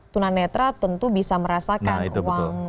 tuna netra tentu bisa merasakan uang